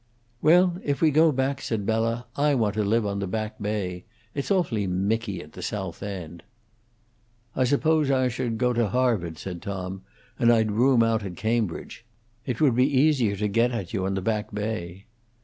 "Well, if we go back," said Bella, "I want to live on the Back Bay. It's awfully Micky at the South End." "I suppose I should go to Harvard," said Tom, "and I'd room out at Cambridge. It would be easier to get at you on the Back Bay."